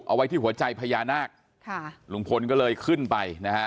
เอาไว้ที่หัวใจพญานาคค่ะลุงพลก็เลยขึ้นไปนะฮะ